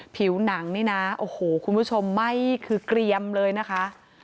ผิวหนังนี่นะโอ้โหคุณผู้ชมไหม้คือเกรียมเลยนะคะ